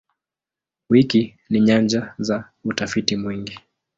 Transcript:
Wiki ni nyanja za utafiti mwingi.